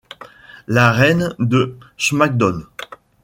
L'arène de Smackdown!